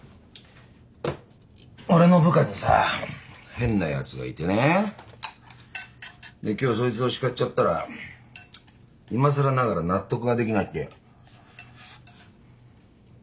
俺の部下にさ変なやつがいてねで今日そいつを叱っちゃったらいまさらながら納得ができないってＬＩＮＥしてきた。